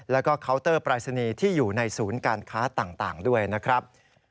แล้วก็เคาน์เตอร์ปรายศนีย์ที่อยู่ในศูนย์การค้าต่างด้วยนะครับ